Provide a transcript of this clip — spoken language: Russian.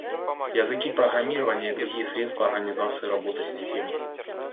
Языки программирования и другие средства организации работы системы